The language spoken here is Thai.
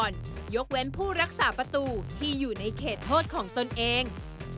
ยกเว้นผู้รักษาประตูที่อยู่ในเขตโทษของตนเอง